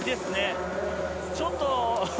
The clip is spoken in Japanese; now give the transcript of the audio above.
ちょっと。